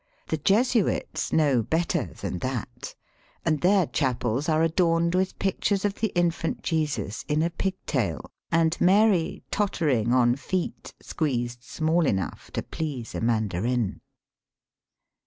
The Jesuits know better than that, and their chapels are adorned with pictures of the infant Jesus in a pigtail, and Mary tottering on feet squeezed small enough to please a Mandarin.